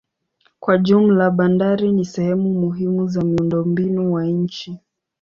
Kwa jumla bandari ni sehemu muhimu za miundombinu wa nchi.